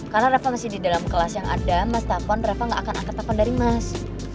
karena reva masih di dalam kelas yang ada mas telepon reva gak akan angkat telepon dari mas